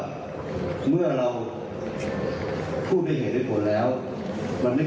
ดีการดีการดีที่สุดก็คือเราก็ตัดสินใจด้วยตัวเองนะครับต่างกับท่านหัวหน้าผมมีความสำคัญกับท่านพ่อโลกหลวงเดิม